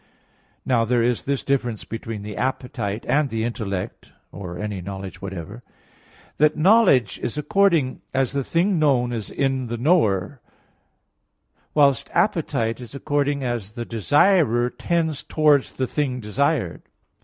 Now there is this difference between the appetite and the intellect, or any knowledge whatsoever, that knowledge is according as the thing known is in the knower, whilst appetite is according as the desirer tends towards the thing desired.